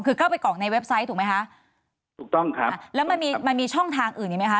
คือเข้าไปกรอกในเว็บไซต์ถูกไหมคะถูกต้องครับแล้วมันมีมันมีช่องทางอื่นอีกไหมคะ